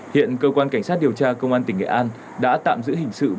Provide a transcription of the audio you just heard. hiện cơ quan cảnh sát điều tra công an tỉnh nghệ an đã tạm giữ hình sự